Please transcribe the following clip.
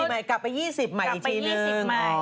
อ๋อ๒๐ใหม่กลับไป๒๐ใหม่อีกทีหนึ่ง